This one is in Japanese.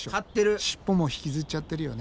尻尾も引きずっちゃってるよね。